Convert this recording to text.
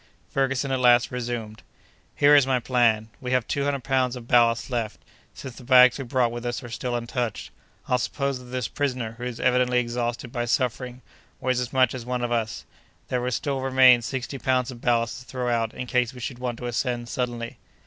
Ferguson at last resumed: "Here is my plan: We have two hundred pounds of ballast left, since the bags we brought with us are still untouched. I'll suppose that this prisoner, who is evidently exhausted by suffering, weighs as much as one of us; there will still remain sixty pounds of ballast to throw out, in case we should want to ascend suddenly."